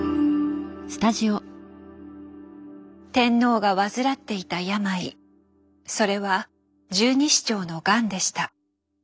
天皇が患っていた病それは「十二指腸のガン」でした。